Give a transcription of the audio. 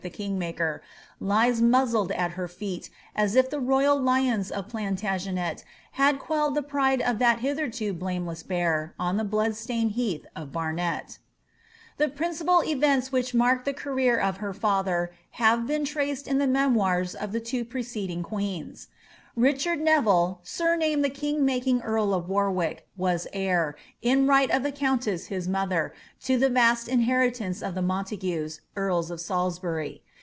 343 the kiog maker, lies muzzled at her feet, as if the royal lions of Plan tagenet had quelled the pride of that hitherto tameless bear, oa the blood stained heath of Barnet The principal events which marked the career of her ftther have been traced in the memoirs of the two preceding queens. Richard Neville, sumamed the king making earl of Warwick, was heir, in right of the countess his mother, to the vast inheritance of the Montagues, earls of Salisbury.